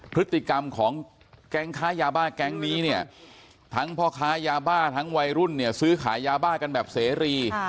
พฤติกรรมของแก๊งค้ายาบ้าแก๊งนี้เนี่ยทั้งพ่อค้ายาบ้าทั้งวัยรุ่นเนี่ยซื้อขายยาบ้ากันแบบเสรี